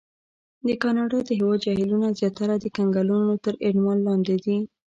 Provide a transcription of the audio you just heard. د کاناډا د هېواد جهیلونه زیاتره د کنګلونو تر عنوان لاندې دي.